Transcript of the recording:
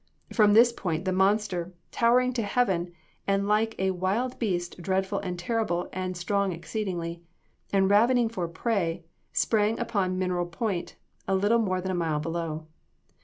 From this point the monster, towering to heaven, and like a "wild beast dreadful and terrible and strong exceedingly," and ravening for prey, sprang upon Mineral Point, a little more than a mile below.